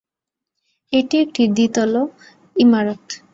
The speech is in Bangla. এটি একটি দ্বিতল ইমারত।